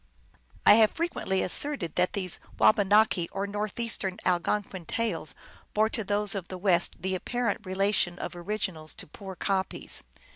I have frequently asserted that these Wabanaki or Northeastern Algonquin tales bore to those of the West the apparent relation of originals to poor copies.